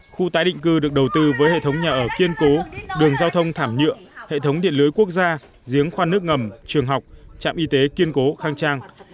khu tái định cư được đầu tư với hệ thống nhà ở kiên cố đường giao thông thảm nhựa hệ thống điện lưới quốc gia giếng khoan nước ngầm trường học trạm y tế kiên cố khang trang